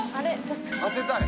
当てたい。